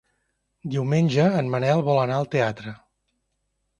Diumenge en Manel vol anar al teatre.